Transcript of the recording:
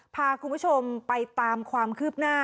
พาคุณผู้ชมไปตามความคืบหน้า